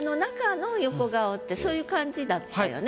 このそういう感じだったよね。